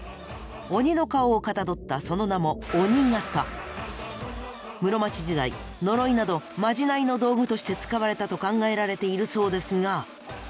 鬼の顔をかたどったその名も室町時代呪いなどまじないの道具として使われたと考えられているそうですが。